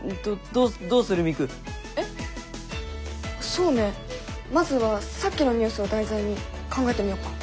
そうねまずはさっきのニュースを題材に考えてみよっか。